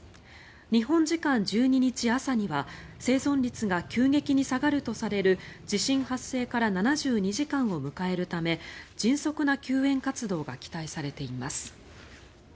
日本時間１２日朝には生存率が急激に下がるとされる地震発生から７２時間を迎えるため迅速な救援活動が期待されています。